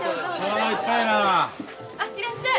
あいらっしゃい。